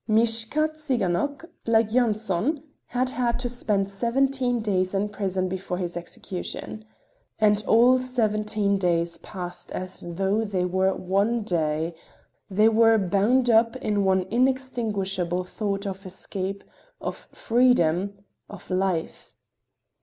Mishka Tsiganok, like Yanson, had had to spend seventeen days in prison before his execution. And all seventeen days passed as though they were one day—they were bound up in one inextinguishable thought of escape, of freedom, of life.